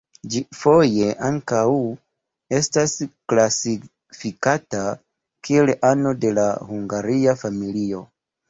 Ĝi foje ankaŭ estas klasifikata kiel ano de la Hungaria familio.